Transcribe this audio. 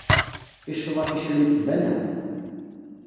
Yecceḍ ɣef yeclem n tbanant.